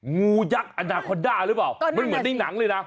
งูยักษ์อนาคอร์ด้ามันเหมือนหนิ่งหนังเหรอ